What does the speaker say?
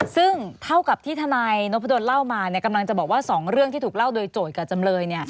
ซึ่งเท่ากับที่ทนายนพดลเล่ามากำลังจะบอกว่า๒เรื่องที่ถูกเล่าโดยโจทย์กับจำเลย